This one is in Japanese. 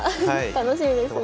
楽しみですね。